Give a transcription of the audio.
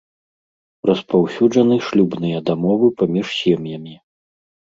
Распаўсюджаны шлюбныя дамовы паміж сем'ямі.